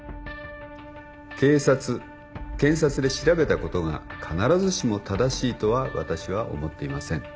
警察検察で調べたことが必ずしも正しいとは私は思っていません。